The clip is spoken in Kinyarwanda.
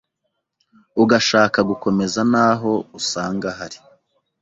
ugashaka gukomeza naho usanga ahari.